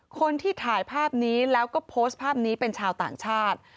คนที่ถ่ายภาพนี้แล้วก็โพสต์ภาพนี้เป็นชาวต่างชาติ